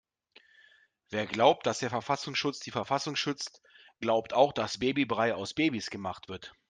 Wer glaubt, dass der Verfassungsschutz die Verfassung schützt, glaubt auch dass Babybrei aus Babys gemacht wird.